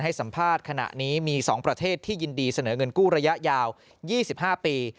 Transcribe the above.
สัมภาษณ์ขณะนี้มี๒ประเทศที่ยินดีเสนอเงินกู้ระยะยาว๒๕ปี